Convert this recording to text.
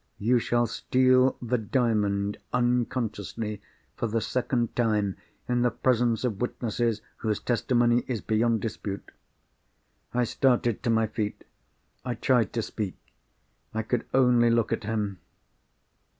"You shall steal the Diamond, unconsciously, for the second time, in the presence of witnesses whose testimony is beyond dispute." I started to my feet. I tried to speak. I could only look at him.